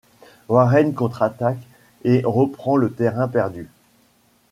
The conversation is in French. Warren contre-attaque et reprend le terrain perdu.